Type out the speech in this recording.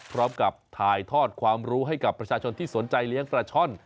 พร้อมกับถ่ายทอดความรู้ให้กับประชาชนที่สนใจเลี้ยงปลาช่อน